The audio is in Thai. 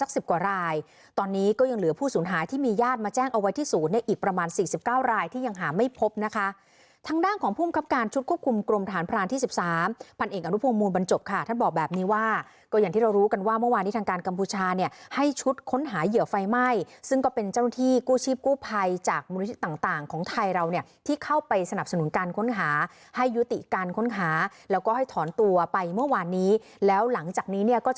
สี่สิบสามพันเอกอารุโภงมูลบันจบค่ะถ้าบอกแบบนี้ว่าก็อย่างที่เรารู้กันว่าเมื่อวานที่ทางการกรรมปูชาเนี่ยให้ชุดค้นหาเหยื่อไฟไหม้ซึ่งก็เป็นเจ้าหนุ่มที่กู้ชีพกู้ภัยจากมือต่างของไทยเราเนี่ยที่เข้าไปสนับสนุนการค้นหาให้ยุติการค้นหาแล้วก็ให้ถอนตัวไปเมื่อวานนี้แล้วหลังจากนี้เนี่ย